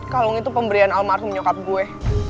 kalung itu pemberian almarhum nyokap gue